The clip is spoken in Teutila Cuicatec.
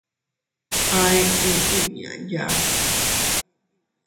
A eʼe inña yaku.